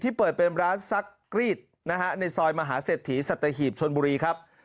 เปิดเป็นร้านซักกรีดนะฮะในซอยมหาเศรษฐีสัตหีบชนบุรีครับ